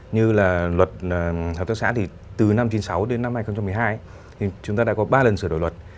như là luật hợp tác xã từ năm một nghìn chín trăm chín mươi sáu đến năm hai nghìn một mươi hai chúng ta đã có ba lần sửa đổi luật